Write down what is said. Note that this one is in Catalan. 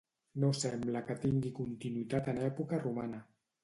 No sembla que tingui continuïtat en època romana.